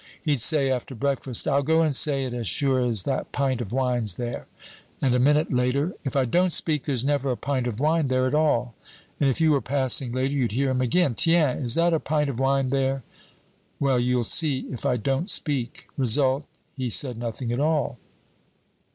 He'd say after breakfast, 'I'll go and say it as sure as that pint of wine's there.' And a minute later, 'If I don't speak, there's never a pint of wine there at all.' And if you were passing later you'd hear him again, 'Tiens! is that a pint of wine there? Well, you'll see if I don't speak! Result he said nothing at all.